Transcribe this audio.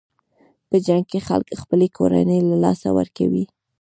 په جنګ کې خلک خپلې کورنۍ له لاسه ورکوي.